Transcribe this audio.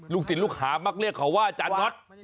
ลูกสินลูกห้ามักเรียกเขาว่าจานนท